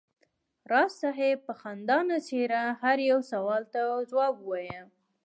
راز صاحب په خندانه څېره هر یو سوال ته ځواب وایه.